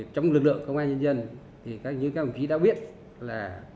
trong lực lượng công an nhân dân các vị khí đã biết là